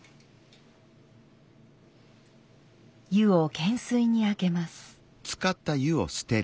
湯を建水にあけます。